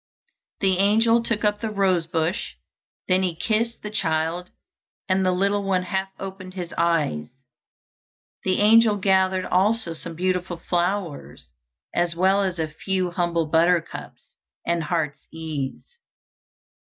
The angel took up the rose bush; then he kissed the child, and the little one half opened his eyes. The angel gathered also some beautiful flowers, as well as a few humble buttercups and heart's ease.